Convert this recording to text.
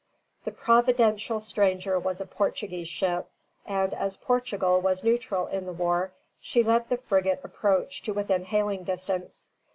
The providential stranger was a Portuguese ship; and as Portugal was neutral in the war, she let the frigate approach to within hailing distance.